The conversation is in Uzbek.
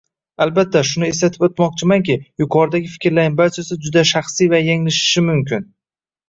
Albatta, shuni eslatib o'tmoqchimanki, yuqoridagi fikrlarning barchasi juda shaxsiy va yanglishishi mumkin.